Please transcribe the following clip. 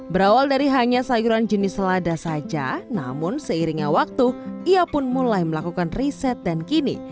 berawal dari hanya sayuran jenis selada saja namun seiringnya waktu ia pun mulai melakukan riset dan kini